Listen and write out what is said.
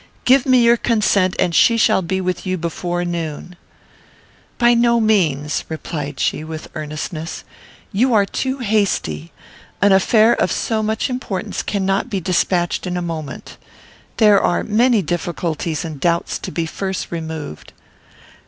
Give me your consent, and she shall be with you before noon." "By no means," replied she, with earnestness. "You are too hasty. An affair of so much importance cannot be despatched in a moment. There are many difficulties and doubts to be first removed."